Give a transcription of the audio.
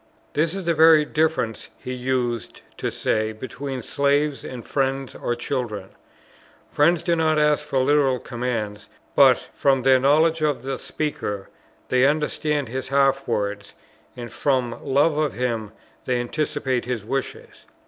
This is the very difference, he used to say, between slaves, and friends or children. Friends do not ask for literal commands; but, from their knowledge of the speaker, they understand his half words, and from love of him they anticipate his wishes.